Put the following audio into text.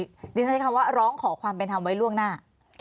ดิฉันใช้คำว่าร้องขอความเป็นธรรมไว้ล่วงหน้า